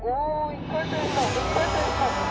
１回転した１回転した！